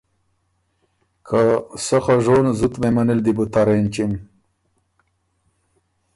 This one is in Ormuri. که سۀ خه ژون زُت مهمنی ل دی بو تر اېنچِم۔